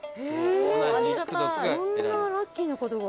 そんなラッキーなことが。